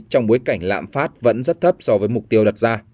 trong bối cảnh lạm phát vẫn rất thấp so với mục tiêu đặt ra